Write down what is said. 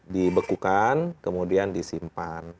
dibekukan kemudian disimpan